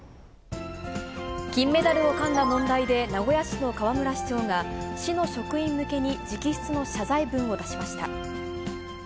金メダルをかんだ問題で、名古屋市の河村市長が、市の職員向けに直筆の謝罪文を出しました。